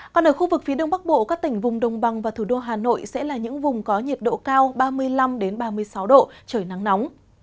còn ở khu vực phía đông bắc bộ các tỉnh vùng đông bằng và thủ đô hà nội sẽ là những vùng có nhiệt độ cao ba mươi năm ba mươi sáu độ trời nắng nóng